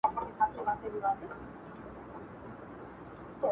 د سپینو اښکو د دریابه سره